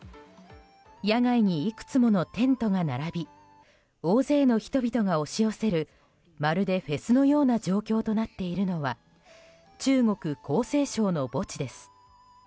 野外にいくつものテントが並び大勢の人々が押し寄せるまるでフェスのような状況となっているのは中国・江西省の墓地です。